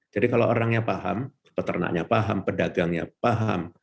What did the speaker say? jadi kalau orangnya paham peternaknya paham pedagangnya paham